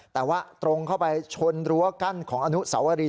แต่ว่าตรงเข้าไปชนรั้วกั้นของอนุสาวรี